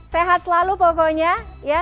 sehat selalu pokoknya ya